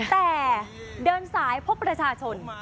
แต่เดินสายพบประชาชน